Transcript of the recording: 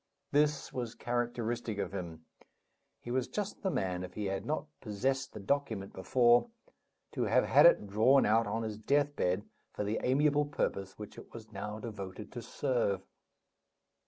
This was characteristic of him; he was just the man, if he had not possessed the document before, to have had it drawn out on his death bed for the amiable purpose which it was now devoted to serve.